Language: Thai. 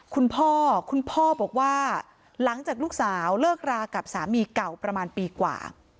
คุณพ่อคุณพ่อบอกว่าหลังจากลูกสาวเลิกรากับสามีเก่าประมาณปีกว่า